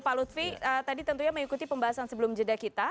pak lutfi tadi tentunya mengikuti pembahasan sebelum jeda kita